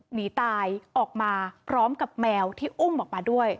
หนีตายออกมาพร้อมกับแมวที่อุ้มออกมาด้วย